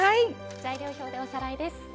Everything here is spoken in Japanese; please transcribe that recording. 材料表でおさらいです。